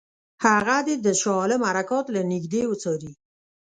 هغه دې د شاه عالم حرکات له نیژدې وڅاري.